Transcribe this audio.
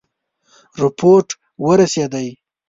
رپوټ ورسېدی.